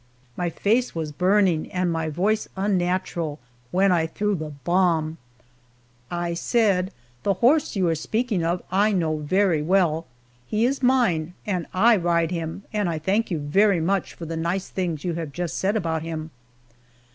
My face was burning and my voice unnatural when I threw the bomb! I said, "The horse you are speaking of I know very well. He is mine, and I ride him, and I thank you very much for the nice things you have just said about him!"